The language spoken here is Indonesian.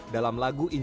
dalam menulis album ini